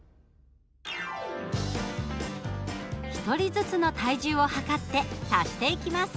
１人ずつの体重を量って足していきます。